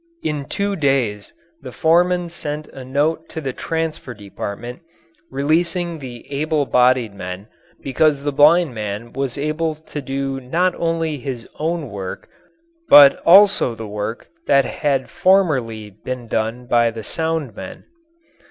In two days the foreman sent a note to the transfer department releasing the able bodied men because the blind man was able to do not only his own work but also the work that had formerly been done by the sound men.